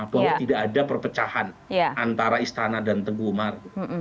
bahwa tidak ada perpecahan antara istana dan teguh umar